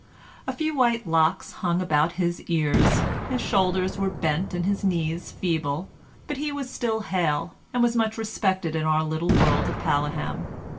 A few white locks hung about his ears, his shoulders were bent and his knees feeble, but he was still hale, and was much respected in our little world of Paleham.